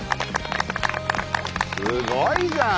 すごいじゃん。